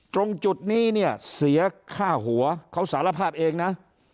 ตรงจุดนี้แฮเสียค่าหัวเขาสารภาพเองนะ๑๘๐๐๐๒๐๐๐๐